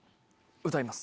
歌います。